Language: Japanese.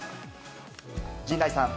陣内さん。